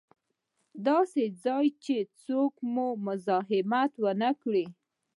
داسې ځای چې څوک مو مزاحمت و نه کړي.